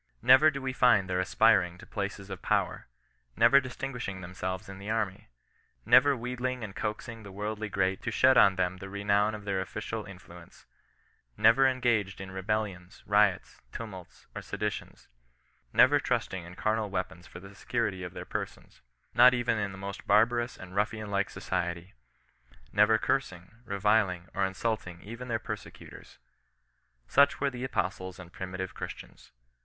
Never do we find them aspir ing to places of power ; never distinguishing themselves in the army ; never wheedling and coaxing the worldly great to shed on them the renown of their oflicial influ ence ; never engaged in rebellions, riots, tumults, or sedi tions ; never trusting in carnal weapons for the security of their persons, not even in the most barbarous and OHfilSTIAN NON RESISTANCE. 45 mffian like society ; never cursing, reviling, or insultinar tven their persecutors. Such were the apostles and pri* mitive Christians.